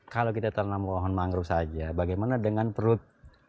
kalau kita tanam pohon mangrove saja bagaimana dengan perut